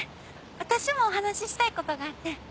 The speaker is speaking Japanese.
私もお話ししたいことがあって。